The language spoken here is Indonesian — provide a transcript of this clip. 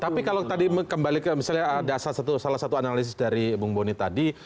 tapi kalau tadi kembali ke misalnya ada salah satu analisis dari bung boni tadi